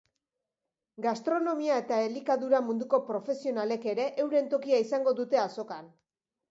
Gastronomia eta elikadura munduko profesionalek ere euren tokia izango dute azokan.